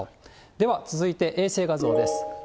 では、続いて衛星画像です。